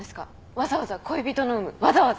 わざわざ恋人の有無わざわざ！